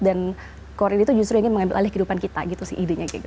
dan corin itu justru ingin mengambil alih kehidupan kita gitu sih idenya gitu